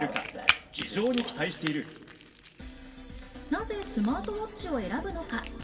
なぜスマートウォッチを選ぶのか？